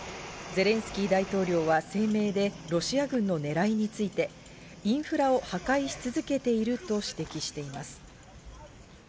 ゼレンスキー大統領は声明でロシア軍の狙いについてインフラを破壊し続けていると指摘しています。